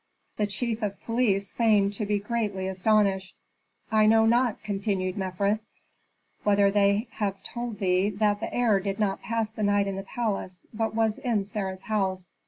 The chief of police feigned to be greatly astonished. "I know not," continued Mefres, "whether they have told thee that the heir did not pass the night in the palace, but was in Sarah's house.